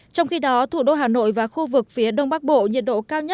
trong khi đó thủ đô hà nội và khu vực phía đông bắc bộ